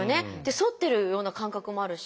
反ってるような感覚もあるし。